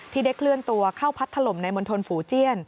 ที่ได้เคลื่อนตัวเข้าพัดถล่มในมณฑลฝูเจียน